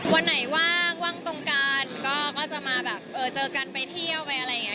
วันไหนว่างว่างตรงกันก็จะมาแบบเจอกันไปเที่ยวไปอะไรอย่างนี้